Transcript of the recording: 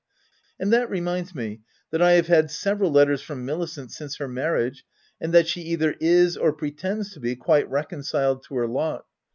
— "And that reminds me that I have had several letters from Milicent since her marriage, and that she either is or pretends to be quite reconciled to her lot.